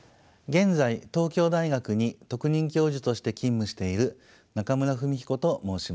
現在東京大学に特任教授として勤務している中村文彦と申します。